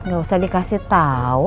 gak usah dikasih tau